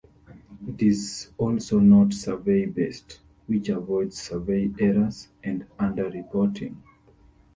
It is also not survey based, which avoids survey errors and underreporting.